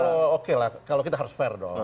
kalau okelah kalau kita harus fair dong